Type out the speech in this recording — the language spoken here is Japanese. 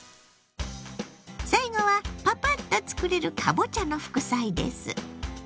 最後はパパッと作れるかぼちゃの副菜です。